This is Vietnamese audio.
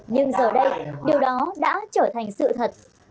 nhưng giờ đây điều đó đã trở thành sự thật